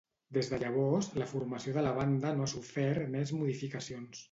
Des de llavors la formació de la banda no ha sofert més modificacions.